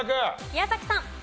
宮崎さん。